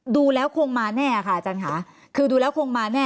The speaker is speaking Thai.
ดูแล้วคงมาแน่ค่ะอาจารย์ค่ะคือดูแล้วคงมาแน่